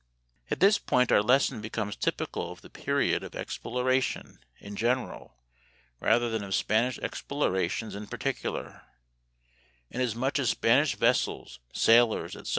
At this point our lesson becomes typical of the period of exploration in general rather than of Spanish explorations in particular, inasmuch as Spanish vessels, sailors, etc.